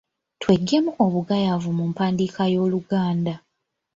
Tweggyemu obugayaavu mu mpandiika y’Oluganda.